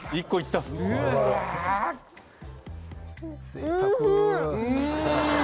ぜいたく。